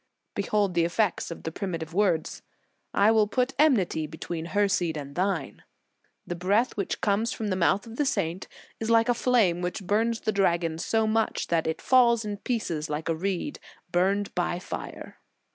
Behold the effects of the primitive words : "I will put enmity between her seed and thine." The breath which comes from the mouth of the saint is like a flame, which burns the dragon so much, that it falls in pieces like a reed burned by fire.